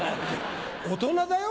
大人だよ？